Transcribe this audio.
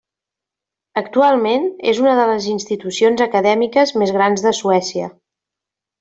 Actualment és una de les institucions acadèmiques més grans de Suècia.